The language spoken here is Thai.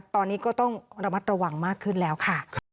ตอนนี้ก็ต้องระมัดระวังมากขึ้นแล้วค่ะ